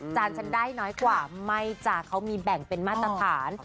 ฉันได้น้อยกว่าไม่จ้ะเขามีแบ่งเป็นมาตรฐาน